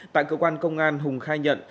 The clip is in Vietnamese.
tại cơ quan công an hùng khai nhận